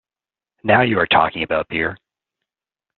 Now you are talking about beer!